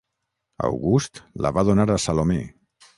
August la va donar a Salomé.